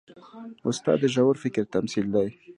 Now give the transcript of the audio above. استاد د ژور فکر تمثیل دی.